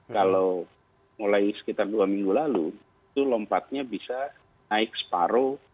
kalau mulai sekitar dua minggu lalu itu lompatnya bisa naik separuh